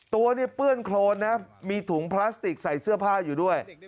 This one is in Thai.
ตัวเนี่ยเปื้อนโครนนะมีถุงพลาสติกใส่เสื้อผ้าอยู่ด้วย